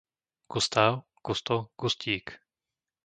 Gustáv, Gusto, Gustík